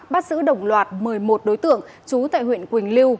bắt giữ đồng loạt một mươi một đối tượng trú tại huyện quỳnh lưu